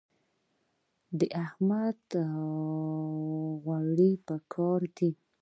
د احمد غوړي په کار دي.